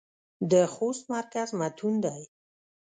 د خوست مرکز متون دى.